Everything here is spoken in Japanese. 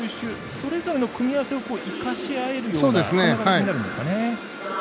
それぞれの組み合わせを生かし合えるような感じになるんですかね。